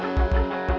udah buruan makan